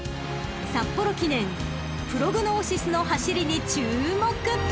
［札幌記念プログノーシスの走りに注目］